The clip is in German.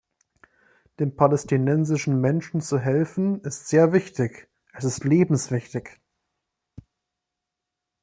Den palästinensischen Menschen zu helfen ist sehr wichtig, es ist lebenswichtig.